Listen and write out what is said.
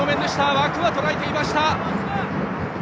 枠はとらえていました。